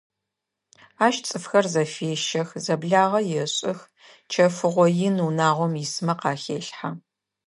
Ащ цӏыфхэр зэфещэх, зэблагъэ ешӏых: чэфыгъо ин унагъом исмэ къахелъхьэ.